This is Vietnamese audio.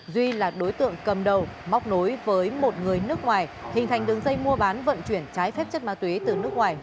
duy là đối tượng cầm đầu móc nối với một người nước ngoài hình thành đường dây mua bán vận chuyển trái phép chất ma túy từ nước ngoài